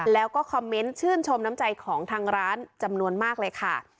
แล้วก็คอมเมนต์ชื่นชมน้ำใจของทางร้านจำนวนมากเลยค่ะ